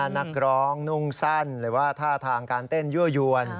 นักร้องนุ่งสั้นหรือว่าท่าทางการเต้นยั่วยวน